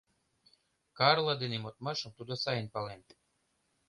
Карла дене модмашым тудо сайын пален.